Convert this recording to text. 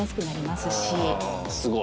すごい。